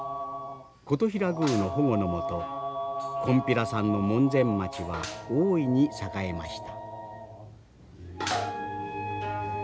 金刀比羅宮の保護の下こんぴらさんの門前町は大いに栄えました。